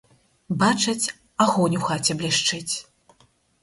Бачаць, агонь у хаце блішчыць.